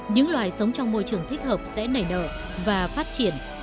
những loài sống trong môi trường thích hợp sẽ nảy nợ và phát triển